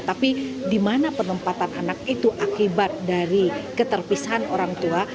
tapi di mana penempatan anak itu akibat dari keterpisahan orang tua